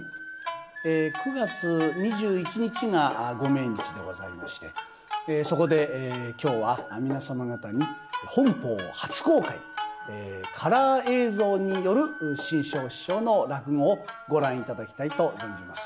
９月２１日がご命日でございましてそこで今日は皆様方に本邦初公開カラー映像による志ん生師匠の落語をご覧頂きたいと存じます。